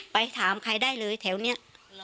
ไปถามใครได้เลยแถวนี้